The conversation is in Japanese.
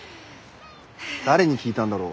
誰に聞いたんだろう。